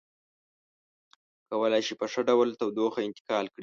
کولی شي په ښه ډول تودوخه انتقال کړي.